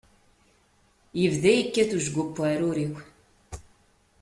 Yebda yekkat wejgu n uɛrur-iw.